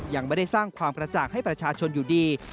ยังไม่ได้สร้างความกระจ่างให้ประชาชนอยู่ดี